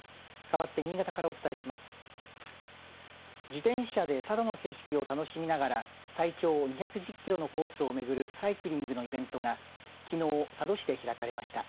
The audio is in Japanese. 自転車で佐渡の景色を楽しみながら最長２１０キロのコースを巡るサイクリングのイベントが、きのう佐渡市で開かれました。